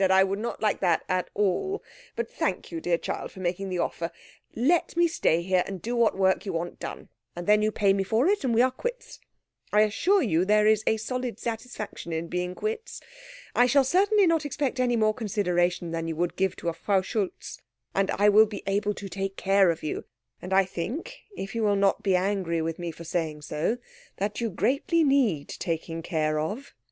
"I would not like that at all. But thank you, dear child, for making the offer. Let me stay here and do what work you want done, and then you pay me for it, and we are quits. I assure you there is a solid satisfaction in being quits. I shall certainly not expect any more consideration than you would give to a Frau Schultz. And I will be able to take care of you; and I think, if you will not be angry with me for saying so, that you greatly need taking care of."